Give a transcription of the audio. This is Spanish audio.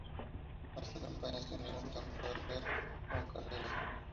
A esa campaña se unieron tanto Alvear como Carrera.